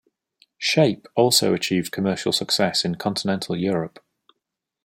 "Shape" also achieved commercial success in Continental Europe.